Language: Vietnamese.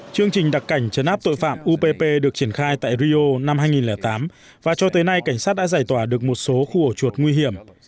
chương trình đặc cảnh chấn áp tội phạm upp được triển khai tại rio năm hai nghìn tám và cho tới nay cảnh sát đã giải tỏa được một số khu ổ chuột nguy hiểm